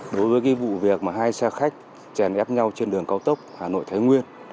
đối với cái vụ việc mà hai xe khách chèn ép nhau trên đường cao tốc hà nội thái nguyên